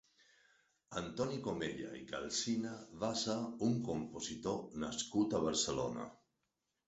Antoni Comella i Calsina va ser un compositor nascut a Barcelona.